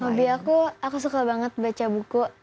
hobi aku aku suka banget baca buku